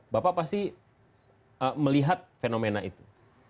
bapak pasti melihat fenomena itu